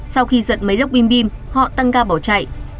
sau khi giật mấy lốc bim bim họ tăng ca bỏ chạy